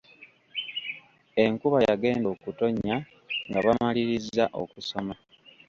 Enkuba yagenda okutonnya nga bamalirizza okusoma.